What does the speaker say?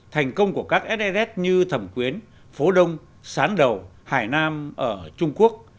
thành công của các se như thẩm quyến phố đông sán đầu hải nam ở trung quốc